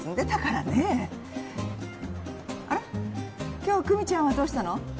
今日久実ちゃんはどうしたの？